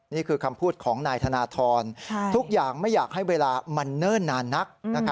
นี่คือคำพูดของนายธนทรทุกอย่างไม่อยากให้เวลามันเนิ่นนานนัก